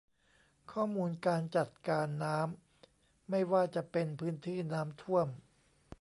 ข้อมูลการจัดการน้ำไม่ว่าจะเป็นพื้นที่น้ำท่วม